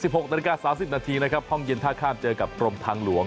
วัน๑๖นาฬิกา๓๐นาทีนะครับห้องเย็นท่าข้ามเจอกับกรมทางหลวง